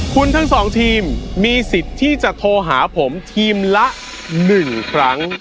คุณทั้งสองทีมมีสิทธิ์ที่จะโทรหาผมทีมละ๑ครั้ง